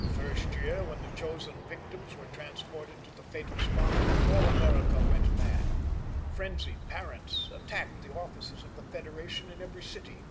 That first year, when the chosen victims were transported to the fatal spot, all America went mad. Frenzied parents attacked the offices of the Federation in every city.